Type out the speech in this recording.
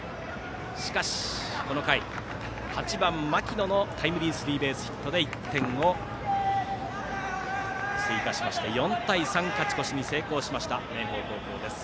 しかしこの回、８番、牧野のタイムリースリーベースヒットで１点を追加しまして４対３と勝ち越しに成功した明豊高校です。